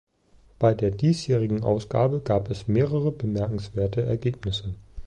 Bei der diesjährigen Ausgabe gab es mehrere bemerkenswerte Ergebnisse.